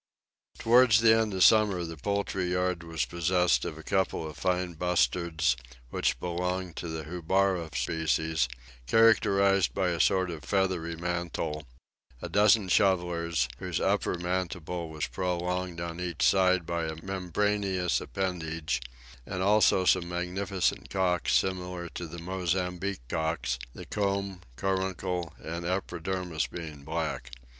Towards the end of the summer, the poultry yard was possessed of a couple of fine bustards, which belonged to the houbara species, characterized by a sort of feathery mantle; a dozen shovelers, whose upper mandible was prolonged on each side by a membraneous appendage; and also some magnificent cocks, similar to the Mozambique cocks, the comb, caruncle, and epidermis being black.